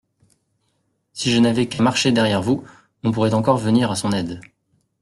Si je n'avais qu'à marcher derrière vous, on pourrait encore venir à son aide.